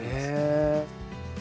へえ。